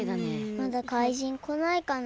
まだかいじんこないかな？